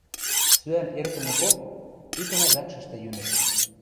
Сӱӓн эртӹмӹкок, икӓнӓ вӓкшӹштӹ йӱнӹт.